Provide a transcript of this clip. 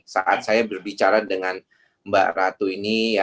saat saya berbicara dengan mbak ratu ini